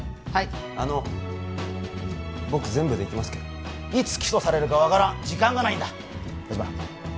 あの僕全部できますけどいつ起訴されるか分からん時間がないんだ立花は